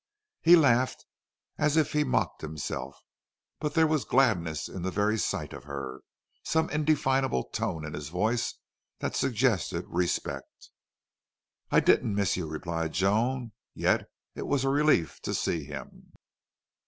He laughed as if he mocked himself, but there was gladness in the very sight of her, and some indefinable tone in his voice that suggested respect. "I didn't miss you," replied Joan. Yet it was a relief to see him.